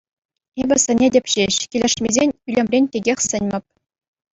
Эпӗ сӗнетӗп ҫеҫ, килӗшмесен ӳлӗмрен текех сӗнмӗп.